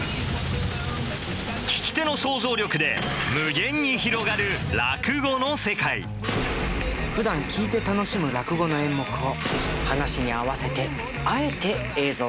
聞き手の想像力で無限に広がる落語の世界ふだん聞いて楽しむ落語の演目を噺に合わせてあえて映像化致しました。